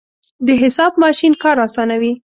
د حساب ماشین کار اسانوي.